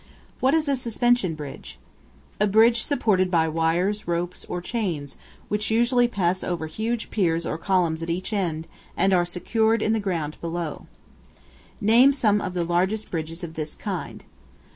What is a Suspension Bridge? A bridge supported by wires, ropes, or chains, which usually pass over high piers or columns at each end, and are secured in the ground below. Name some of the largest bridges of this kind.